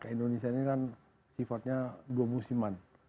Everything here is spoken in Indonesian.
indonesia ini kan sifatnya dua musiman